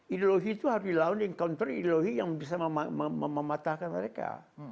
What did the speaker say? ideologi itu harus dilawan dengan counter ideologi yang bisa mematahkan mereka